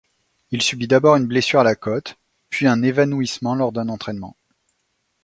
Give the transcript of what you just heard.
Il subit d'abord une blessure à la côte, puis un évanouissement lors d'un entraînement.